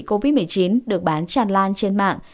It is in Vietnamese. covid một mươi chín được bán tràn lan trên mạng